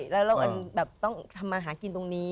ใช่แล้วอันแบบต้องทำมาหากินตรงนี้